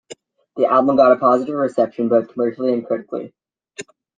The album got a positive reception, both commercially and critically.